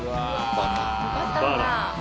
バターだ。